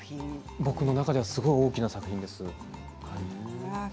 僕の中ではすごく大きな作品です。